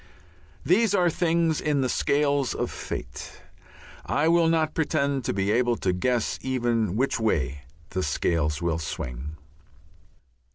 ... These are things in the scales of fate. I will not pretend to be able to guess even which way the scales will swing.